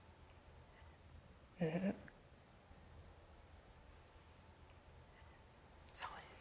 うんそうですね